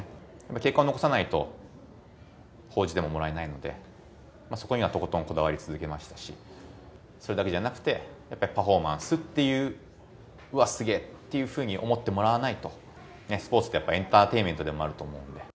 結果を残さないと、報じてもらえないので、そこにはとことんこだわり続けましたし、それだけではなくて、やっぱりパフォーマンスっていう、うわ、すげえって思ってもらわないと、スポーツってやっぱりエンターテインメントでもあると思うので。